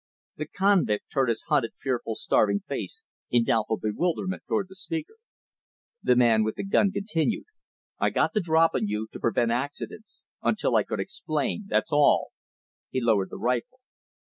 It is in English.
The convict turned his hunted, fearful, starving face in doubtful bewilderment toward the speaker. The man with the gun continued, "I got the drop on you to prevent accidents until I could explain that's all." He lowered the rifle.